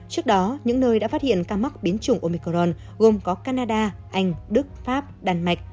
trước đó những nơi đã phát hiện ca mắc biến chủng omicron gồm có canada anh đức pháp đan mạch